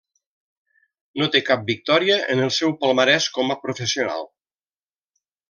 No té cap victòria en el seu palmarès com a professional.